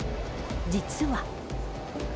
実は。